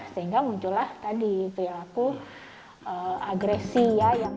sehingga muncullah tadi perilaku agresi ya